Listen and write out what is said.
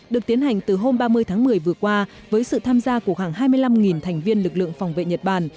được tiến hành từ hôm ba mươi tháng một mươi vừa qua với sự tham gia của khoảng hai mươi năm thành viên lực lượng phòng vệ nhật bản